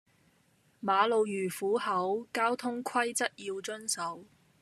馬路如虎口，交通規則要遵守